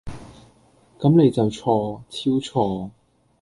咁你就錯，超錯